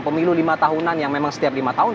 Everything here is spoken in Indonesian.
pemilu lima tahunan yang memang setiap lima tahun